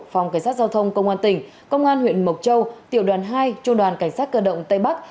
phòng cảnh sát giao thông công an tỉnh công an huyện mộc châu tiểu đoàn hai trung đoàn cảnh sát cơ động tây bắc